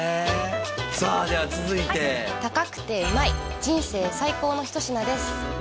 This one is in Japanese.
さあでは続いて高くてうまい人生最高の一品です